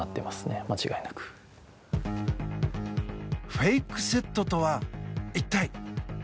フェイクセットとは一体？